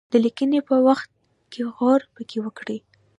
د لیکني په وخت کې غور پکې وکړي.